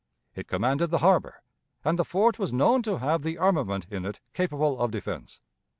It commanded the harbor, and the fort was known to have the armament in it capable of defense.